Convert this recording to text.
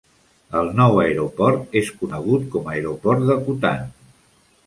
El nou aeroport és conegut com a aeroport d'Akutan.